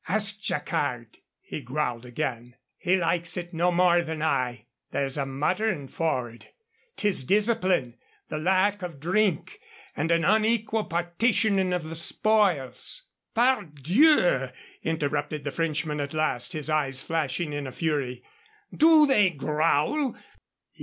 "Ask Jacquard," he growled again; "he likes it no more than I. There's a mutterin' forward. 'Tis discipline the lack of drink and an unequal partitionin' of the spoils " "Pardieu!" interrupted the Frenchman at last, his eyes flashing in a fury. "Do they growl?